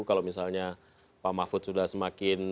kalau misalnya pak mahfud sudah semakin